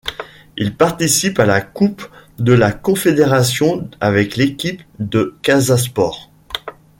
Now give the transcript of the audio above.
Il participe à la Coupe de la confédération avec l'équipe de Casa Sport.